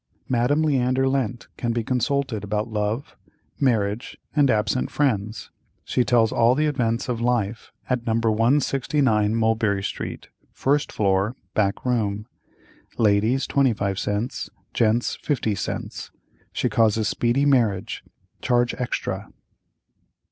—Madame LEANDER LENT can be consulted about love, marriage, and absent friends; she tells all the events of life at No. 169 Mulberry st., first floor, back room. Ladies 25 cents; gents 50 cents. She causes speedy marriage. Charge extra."